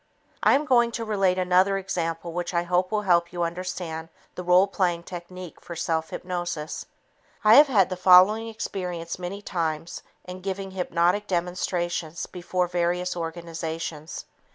I am going to relate another example which I hope will help you understand the role playing technique for self hypnosis. I have had the following experience many times in giving hypnotic demonstrations before various organizations.